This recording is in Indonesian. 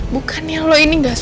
bukannya lo yang ngelakuin